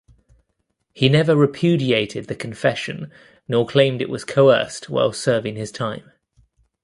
He never repudiated the confession nor claimed it was coerced while serving his time.